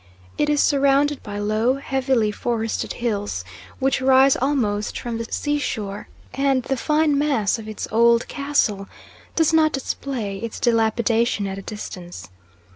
It is surrounded by low, heavily forested hills, which rise almost from the seashore, and the fine mass of its old castle does not display its dilapidation at a distance.